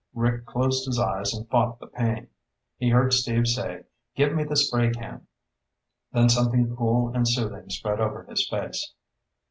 Rick closed his eyes and fought the pain. He heard Steve say, "Give me the spray can." Then something cool and soothing spread over his face.